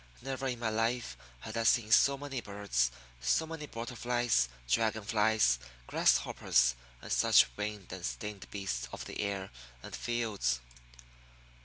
Never in my life had I seen so many birds, so many butter flies, dragon flies, grasshoppers, and such winged and stinged beasts of the air and fields.